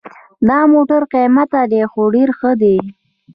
دا موټر قیمته ده خو ډېر ښه ده